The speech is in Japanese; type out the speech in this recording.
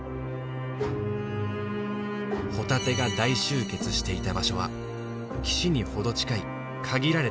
ホタテが大集結していた場所は岸に程近い限られた範囲。